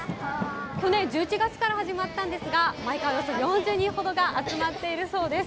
去年１１月から始まったんですが、毎回およそ４０人ほどが集まっているそうです。